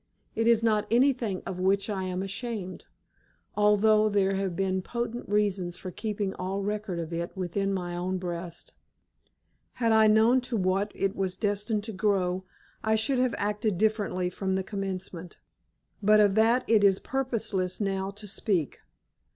It is not anything of which I am ashamed, although there have been potent reasons for keeping all record of it within my own breast. Had I known to what it was destined to grow I should have acted differently from the commencement, but of that it is purposeless now to speak.